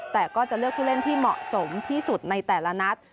แต่ก็จะเลือกผู้เล่นที่เหมาะสมที่สุดในแต่ละนัด